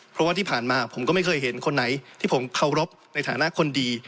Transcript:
เพราะว่าที่ผ่านมาผมก็ไม่เคยเห็นคนไหนที่ผมเคารพในฐานะคนดี